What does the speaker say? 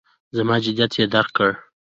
زما جدیت یې درک کړ.